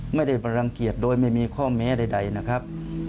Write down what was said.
ไม่ได้รังเกียจโดยไม่มีข้อแม้ใดนะครับ